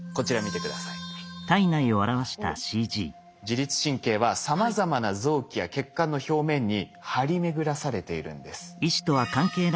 自律神経はさまざまな臓器や血管の表面に張り巡らされているんです。